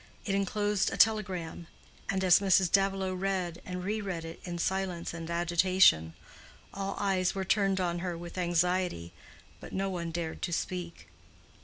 It enclosed a telegram, and as Mrs. Davilow read and re read it in silence and agitation, all eyes were turned on her with anxiety, but no one dared to speak.